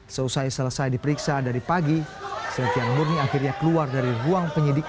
seusai selesai diperiksa dari pagi silvian murni akhirnya keluar dari ruang penyidik